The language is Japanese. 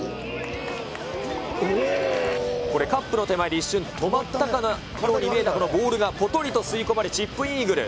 これ、カップの手前で一瞬、止まったかのように見えたボールがぽとりと吸い込まれ、チップイーグル。